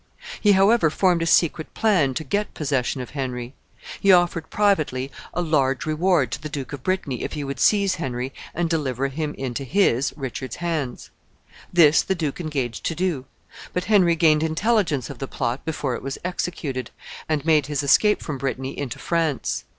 He, however, formed a secret plan to get possession of Henry. He offered privately a large reward to the Duke of Brittany if he would seize Henry and deliver him into his, Richard's hands. This the duke engaged to do. But Henry gained intelligence of the plot before it was executed, and made his escape from Brittany into France.